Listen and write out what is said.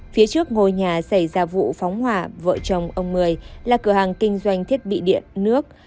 phía trước ngôi nhà xảy ra vụ phóng hỏa vợ chồng ông mười là cửa hàng kinh doanh thiết bị điện nước